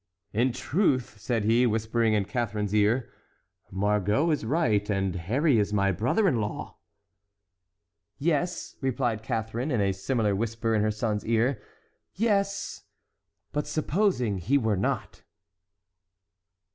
"In truth," said he, whispering in Catharine's ear, "Margot is right, and Harry is my brother in law." "Yes," replied Catharine in a similar whisper in her son's ear, "yes—but supposing he were not?"